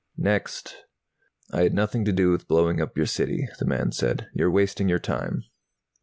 "Next!" "I had nothing to do with blowing up your city," the man said. "You're wasting your time."